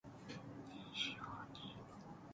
نشانی